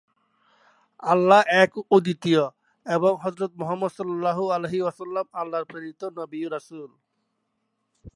চ্যানেলটির আন্তর্জাতিক office Dubai media সিটিতে অবস্থিত।